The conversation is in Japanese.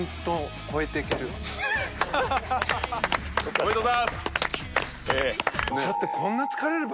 おめでとうございます。